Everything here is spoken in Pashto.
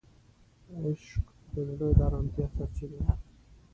عشق د زړه د آرامتیا سرچینه ده.